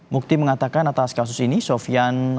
mukti mengatakan atas kasus ini sofian